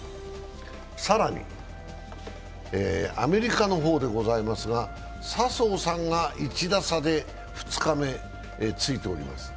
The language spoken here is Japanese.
更に、アメリカの方でこざいますが笹生さんが１打差で２日目、ついています。